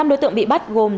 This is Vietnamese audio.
năm đối tượng bị bắt gồm